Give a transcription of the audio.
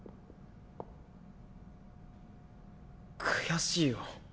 悔しいよ